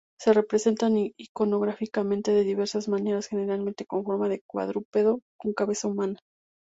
Se representa iconográficamente de diversas maneras, generalmente con forma de cuadrúpedo con cabeza humana.